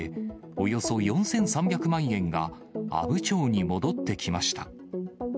およそ４３００万円が、阿武町に戻ってきました。